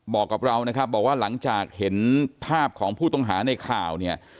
บอกกับเรานะครับบอกว่าหลังจากเห็นภาพของผู้ต้องหาในข่าวเนี่ย